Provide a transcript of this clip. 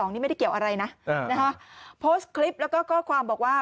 นี่ไม่ได้เกี่ยวอะไรนะโพสต์คลิปแล้วก็ข้อความบอกว่า